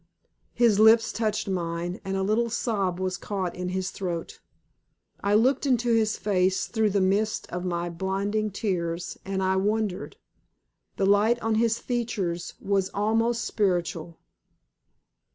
His lips touched mine, and a little sob was caught in his throat. I looked into his face through the mist of my blinding tears, and I wondered. The light on his features was almost spiritual.